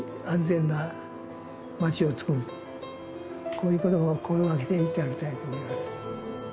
こういう事を心がけて頂きたいと思います。